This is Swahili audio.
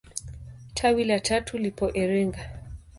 Tawi la tatu lipo Iringa.